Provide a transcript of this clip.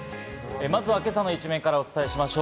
まずは今朝の一面からお伝えします。